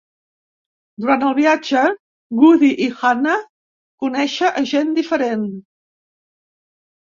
Durant el viatge, Goody i Hannah conèixer a gent diferent.